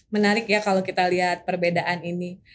menarik ya kalau kita lihat perbedaan ini